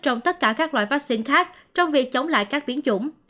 trong tất cả các loại vaccine khác trong việc chống lại các biến chủng